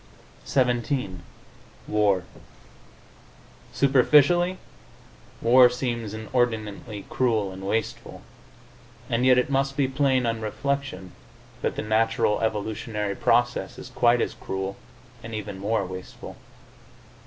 XVII WAR Superficially, war seems inordinately cruel and wasteful, and yet it must be plain on reflection that the natural evolutionary process is quite as cruel and even more wasteful.